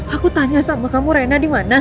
aku tanya sama kamu rena dimana